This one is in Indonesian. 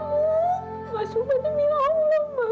kenapa semuanya seperti ini milla kenapa